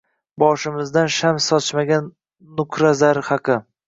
Boshimizdan shams sochmagan nuqra-zar haqi